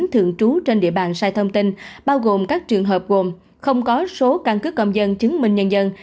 thường trú trên địa bàn sai thông tin bao gồm các trường hợp gồm không có số căn cứ công dân chứng minh nhân dân